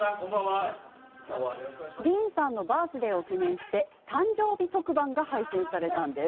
ディーンさんのバースデーを記念して、誕生日特番が配信されたんです。